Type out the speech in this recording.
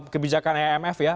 kebijakan maf ya